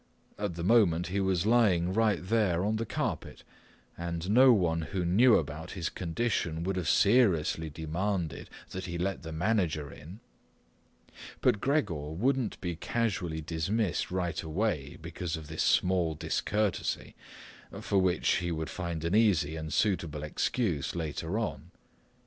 At the moment he was lying right there on the carpet, and no one who knew about his condition would've seriously demanded that he let the manager in. But Gregor wouldn't be casually dismissed right way because of this small discourtesy, for which he would find an easy and suitable excuse later on.